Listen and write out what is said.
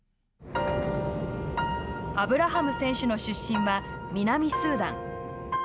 アブラハム選手の出身は南スーダン。